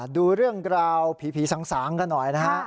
ดูเรื่องราวผีสางกันหน่อยนะฮะ